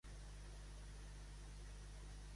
Com s'ha donat compte d'això Montiel?